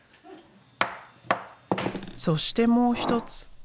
そしてもう一つ。